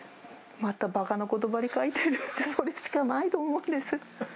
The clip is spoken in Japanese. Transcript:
また、ばかなことばかり書いてるって、それしかないと思うんです。